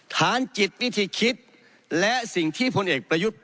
ฐานจิตวิธีคิดและสิ่งที่พลเอกประยุทธ์